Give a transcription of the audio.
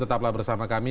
tetaplah bersama kami